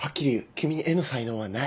君に絵の才能はない。